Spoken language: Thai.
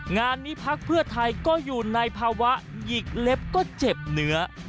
งานนี้พักเพื่อไทยก็อยู่ในภาวะหยิกเล็บก็เจ็บเนื้อ